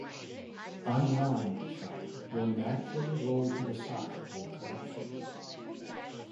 Unround shot will naturally roll to the side, for collection.